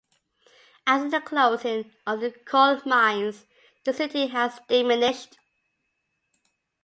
After the closing of the coal mines, the city has diminished.